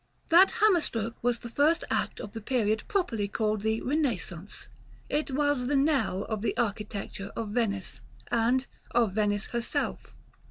§ XXV. That hammer stroke was the first act of the period properly called the "Renaissance." It was the knell of the architecture of Venice, and of Venice herself.